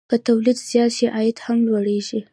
که تولید زیات شي، عاید هم لوړېږي.